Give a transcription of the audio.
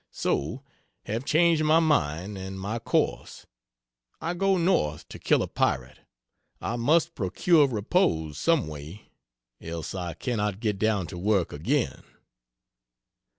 So have changed my mind and my course; I go north, to kill a pirate. I must procure repose some way, else I cannot get down to work again.